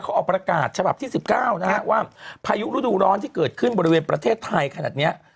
เขาออกประกาศฉบับที่๑๙นะฮะว่าพายุฤดูร้อนที่เกิดขึ้นบริเวณประเทศไทยขนาดนี้